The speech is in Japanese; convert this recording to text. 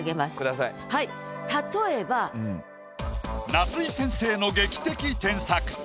夏井先生の劇的添削。